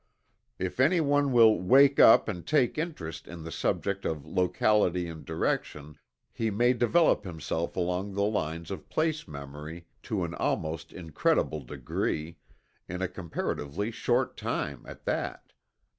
If anyone will "wake up and take interest" in the subject of locality and direction he may develop himself along the lines of place memory to an almost incredible degree, in a comparatively short time at that.